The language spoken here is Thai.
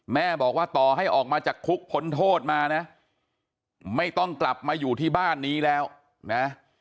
แม่บอกว่าต่อให้ออกมาจากคุกพ้นโทษมานะไม่ต้องกลับมาอยู่ที่บ้านนี้แล้วนะ